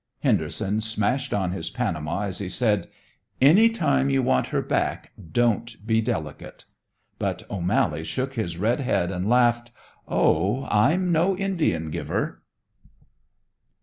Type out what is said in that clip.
Henderson smashed on his Panama as he said: "Any time you want her back, don't be delicate." But O'Mally shook his red head and laughed. "Oh, I'm no Indian giver!"